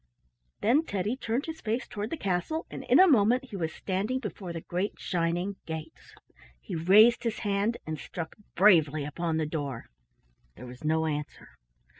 Then Teddy turned his face toward the castle, and in a moment he was standing before the great shining gates. He raised his hand and struck bravely upon the door. There was no answer.